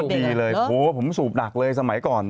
ดีเลยเพราะว่าผมสูบหนักเลยสมัยก่อน